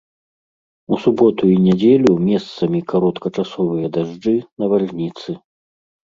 У суботу і нядзелю месцамі кароткачасовыя дажджы, навальніцы.